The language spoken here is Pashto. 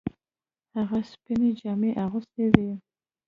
هغه سپینې جامې اغوستې وې.